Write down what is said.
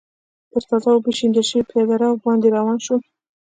پر تازه اوبو شیندل شوي پېاده رو باندې روان شوم.